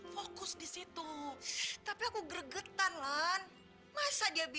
kamu pikir aku perempuan murahan